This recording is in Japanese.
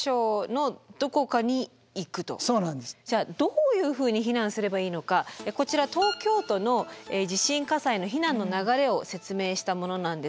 じゃあどういうふうに避難すればいいのかこちら東京都の地震火災の避難の流れを説明したものなんですけれども。